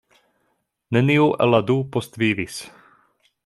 Neniu el la du postvivis.